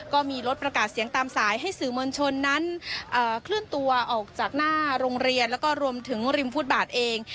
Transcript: ก็มีรถประกาศเสียงตามสายให้สื่อมวลชนนั้นเคลื่อนตัวออกจากหน้าโรงเรียนแล้วก็รวมถึงริมฟุตบาทเอง